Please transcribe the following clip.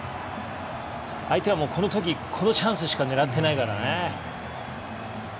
相手はこのときこのチャンスしか狙ってないからね。